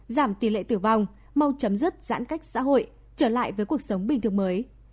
giảm tỷ lệ tử vong mau chấm dứt giãn cách xã hội trở lại với cuộc sống bình thường mới